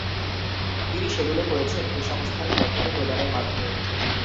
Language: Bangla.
তিনি সেগুলো করেছেন ভূসংস্থানিক তথ্যাদি প্রদানের মাধ্যমে।